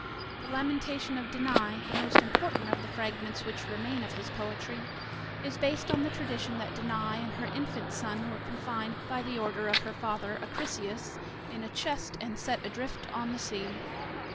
The "Lamentation of Danae," the most important of the fragments which remain of his poetry, is based upon the tradition that Danae and her infant son were confined by order of her father, Acrisius, in a chest and set adrift on the sea.